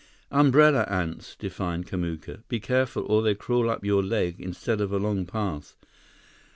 "Umbrella ants," defined Kamuka. "Be careful or they crawl up your leg instead of along path.